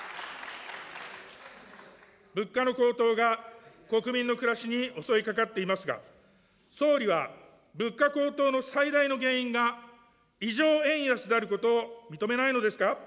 物価の高騰が国民の暮らしに襲いかかっていますが、総理は、物価高騰の最大の原因が異常円安であることを認めないのですか。